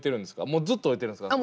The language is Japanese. もうずっと置いてるんですか？